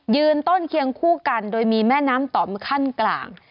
ยืนต้นเคียงคู่กันโดยมีแม่น้ำต่อมขั้นกลาง